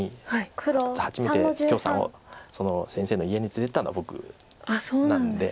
初めて許さんを先生の家に連れていったのは僕なんで。